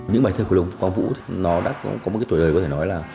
những bài thơ của lưu quang vũ nó đã có một cái tuổi đời có thể nói là